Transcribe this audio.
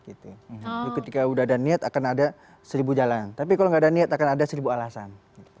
ketika udah ada niat akan ada seribu jalan tapi kalau nggak ada niat akan ada seribu alasan